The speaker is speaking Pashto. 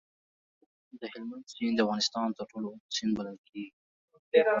د هلمند سیند د افغانستان تر ټولو اوږد سیند بلل کېږي.